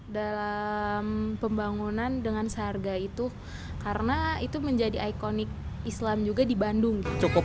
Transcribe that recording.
dalam pembangunan dengan seharga itu karena itu menjadi ikonik islam juga di bandung cukup